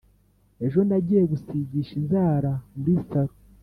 Ejo nagiye gusigisha inzara muri saloon